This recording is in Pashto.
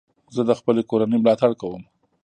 زه د خپلي کورنۍ ملاتړ کوم.